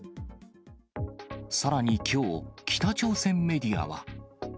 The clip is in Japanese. さらにきょう、北朝鮮メディアは。